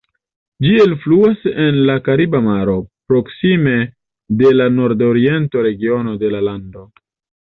Ĝi elfluas en la Kariba Maro, proksime de la nordoriento regiono de la lando.